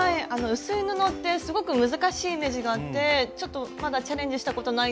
薄い布ってすごく難しいイメージがあってちょっとまだチャレンジしたことないんですけど。